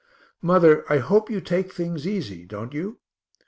Mother, I hope you take things easy, don't you?